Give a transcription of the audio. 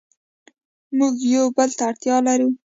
موږ یو بل ته اړتیا لرو.